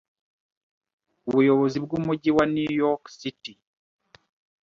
Ubuyobozi bw'umujyi wa New York City